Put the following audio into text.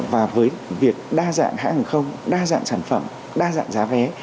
và với việc đa dạng hãng hàng không đa dạng sản phẩm đa dạng giá vé